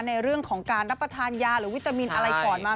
ในเรื่องของการรับประทานยาหรือวิตามินอะไรก่อนมา